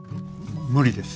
無理です。